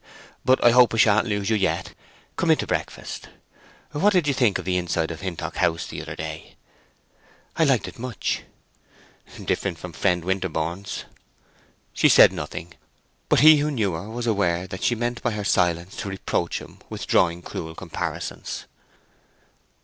"But I hope I sha'n't lose you yet. Come in to breakfast. What did you think of the inside of Hintock House the other day?" "I liked it much." "Different from friend Winterborne's?" She said nothing; but he who knew her was aware that she meant by her silence to reproach him with drawing cruel comparisons.